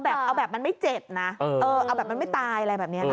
แบบเอาแบบมันไม่เจ็บนะเอาแบบมันไม่ตายอะไรแบบนี้นะ